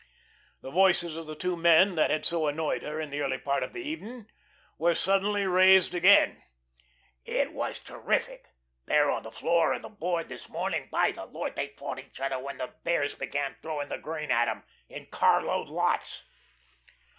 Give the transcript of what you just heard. The voices of the two men that had so annoyed her in the early part of the evening were suddenly raised again: " It was terrific, there on the floor of the Board this morning. By the Lord! they fought each other when the Bears began throwing the grain at 'em in carload lots."